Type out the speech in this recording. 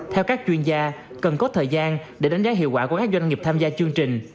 theo các chuyên gia cần có thời gian để đánh giá hiệu quả của các doanh nghiệp tham gia chương trình